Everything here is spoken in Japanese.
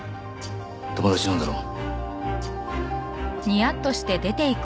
友達なんだろ？